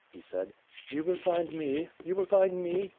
..." he said. "You will find me? You will find me?